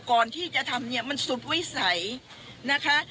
ก่อนที่จะทำเนี่ยมันสุดวิสัยนะคะ